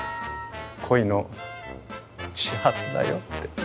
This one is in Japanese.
恋の始発だよ」って。